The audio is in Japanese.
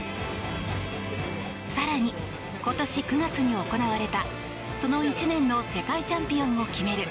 更に、今年９月に行われたその１年の世界チャンピオンを決める